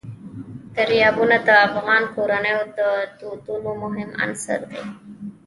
دریابونه د افغان کورنیو د دودونو مهم عنصر دی.